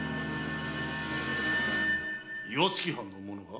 岩槻藩の者が？